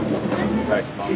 お願いします。